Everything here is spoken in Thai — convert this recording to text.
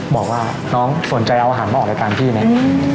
บอกว่าน้องสนใจเอาอาหารมาออกรายการพี่เนี่ย